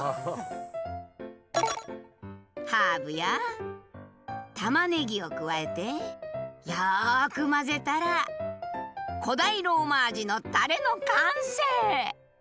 ハーブやたまねぎを加えてよく混ぜたら古代ローマ味のタレの完成！